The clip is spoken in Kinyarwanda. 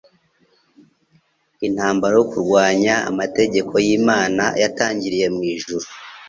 Intambara yo kurwanya amategeko y'Imana yatangiriye mu ijuru,